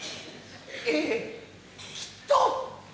ええきっと。